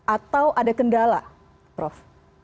atau ada kendala prof